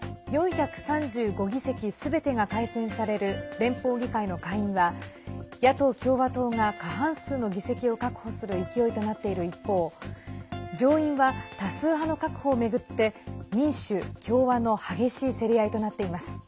４３５議席すべてが改選される連邦議会の下院は野党・共和党が過半数の議席を確保する勢いとなっている一方上院は多数派の確保を巡って民主・共和の激しい競り合いとなっています。